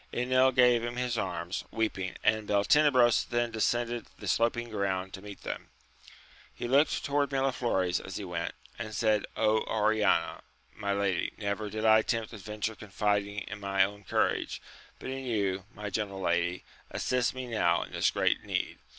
Enil gave him his arms, weeping, and Beltenebros then descended the sloping ground to meet them. He looked toward Miraflores as he went, and said, Oriana, my lady, never did I attempt adventure confiding in my own courage, but in you : my gentle lady, assist me now, in this great need